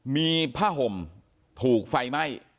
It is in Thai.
มีผ้าห่มถูกไฟไหม้